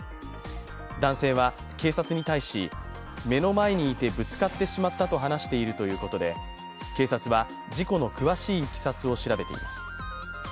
男性は警察に対し目の前にいて、ぶつかってしまったと話しているということで警察は事故の詳しいいきさつを調べています。